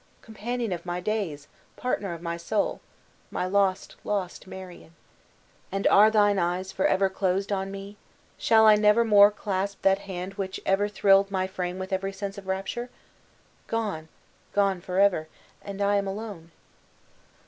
Companion of my days, partner of my soul! my lost, lost Marion! And are thine eyes forever closed on me? Shall I never more clasp that hand which ever thrilled my frame with every sense of rapture? Gone, gone forever and I am alone!"